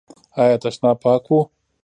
ایا تشناب پاک و؟